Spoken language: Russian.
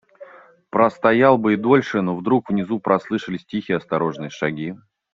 Простоял бы и дольше, но вдруг внизу послышались тихие, осторожные шаги.